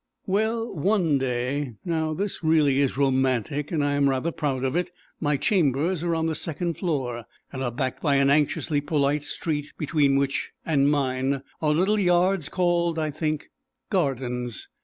Well, one day now this really is romantic and I am rather proud of it. My chambers are on the second floor, and are backed by an anxiously polite street between which and mine are little yards called, I think, gardens.